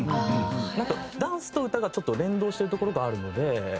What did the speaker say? ダンスと歌がちょっと連動してるところがあるので。